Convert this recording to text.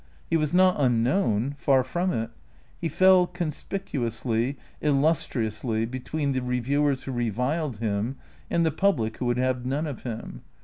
He was not unknown, far from it. He fell conspicuously, illus triously, between the reviewers who reviled him, and the public who would have none of him.